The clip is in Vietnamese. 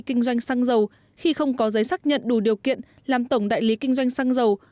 kinh doanh xăng dầu khi không có giấy xác nhận đủ điều kiện làm tổng đại lý kinh doanh xăng dầu